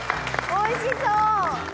おいしそう！